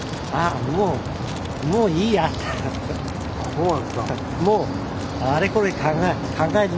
そうなんですか。